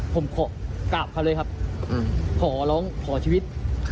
ผมขอกราบเขาเลยครับขอร้องขอชีวิต